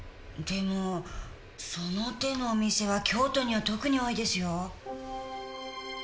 でもその手のお店は京都には特に多いですよ。